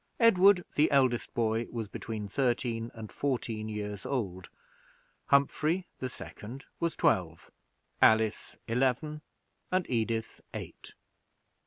Edward, the eldest boy, was between thirteen and fourteen years old; Humphrey, the second, was twelve; Alice, eleven; and Edith, eight.